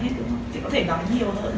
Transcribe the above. chị có thể nói nhiều hơn